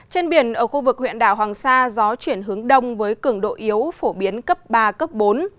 trên biển ở khu vực huyện đảo hoàng sa gió chuyển hướng đông với cường độ yếu phổ biến cấp ba cấp bốn